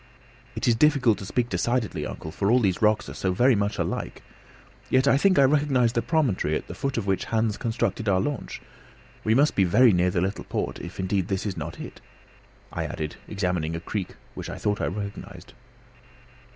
"It is difficult to speak decidedly, uncle, for all these rocks are so very much alike. Yet I think I recognise the promontory at the foot of which Hans constructed our launch. We must be very near the little port, if indeed this is not it," I added, examining a creek which I thought I recognised.